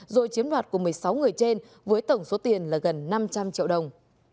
rồi chiếm đoạt của một mươi sáu người trên với tổng số tiền là gần năm trăm linh triệu đồng